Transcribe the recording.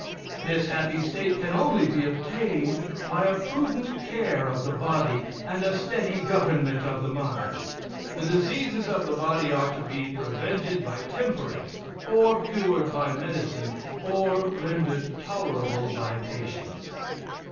"This happy state can only be obtained by a prudent care of the body, and a steady government of the mind. The diseases of the body are to be prevented by temperance, or cured by medicine, or rendered tolerable by patience.